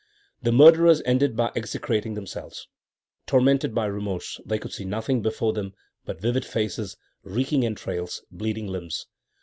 The murderers ended by execrating themselves. Tormented by remorse, they could see nothing before them but vivid faces, reeking entrails, bleeding limbs.